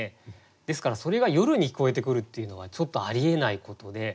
ですからそれが夜に聞こえてくるっていうのはちょっとありえないことで。